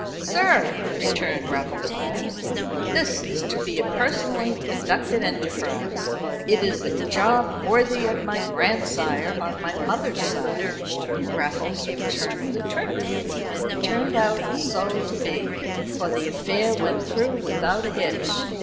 "Sir," returned Raffles Holmes, "this is to be a personally conducted enterprise. It's a job worthy of my grandsire on my mother's side. Raffles will turn the trick." And it turned out so to be, for the affair went through without a hitch.